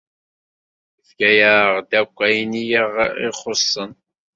Yefka-yaɣ-d akk ayen i ɣ-ixuṣṣen.